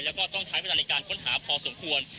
แล้วก็ต้องใช้เวลาในการค้นหาพอสมควร